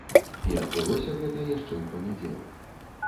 І адбылося гэта яшчэ ў панядзелак.